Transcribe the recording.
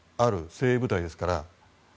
精鋭部隊ですから。